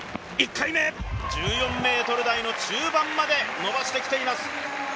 １回目、１４ｍ台の中盤まで伸ばしてきています。